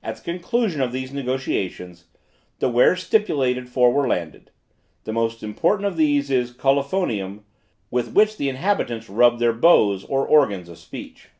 At the conclusion of these negotiations, the wares stipulated for were landed. The most important of these is Kolofonium, with which the inhabitants rub their bows or organs of speech.